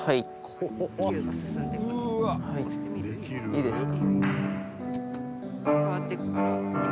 いいですか？